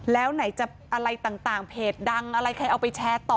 แล้วไหนจะอะไรต่างเพจดังอะไรใครเอาไปแชร์ต่อ